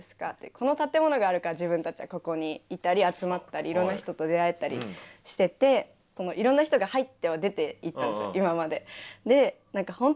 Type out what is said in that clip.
この建物があるから自分たちはここにいたり集まったりいろんな人と出会えたりしてていろんな人が入っては出ていったんですよ今まで。